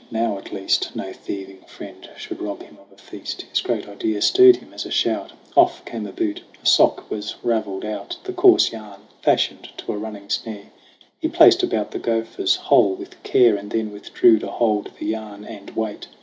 Now, at least, No thieving friend should rob him of a feast. His great idea stirred him as a shout. Off came a boot, a sock was ravelled out. The coarse yarn, fashioned to a running snare, He placed about the gopher's hole with care, And then withdrew to hold the yarn and wait.